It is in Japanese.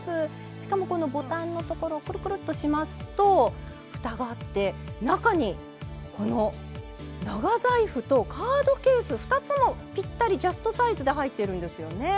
しかもこのボタンのところクルクルッとしますとふたがあって中にこの長財布とカードケース２つもぴったりジャストサイズで入ってるんですよね。